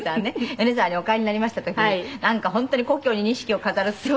米沢にお帰りになりました時になんか本当に故郷に錦を飾るっていう。